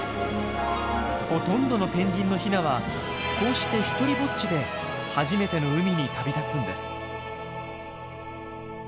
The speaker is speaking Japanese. ほとんどのペンギンのヒナはこうして独りぼっちで初めての海に旅立つんです。